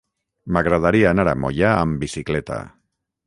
M'agradaria anar a Moià amb bicicleta.